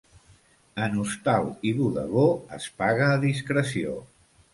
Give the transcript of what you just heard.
En hostal i bodegó es paga a discreció.